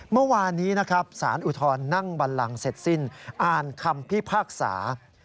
เมื่อวานนี้นะครับสารอุทธรณ์นั่งบันลังเสร็จสิ้นอ่านคำพิพากษา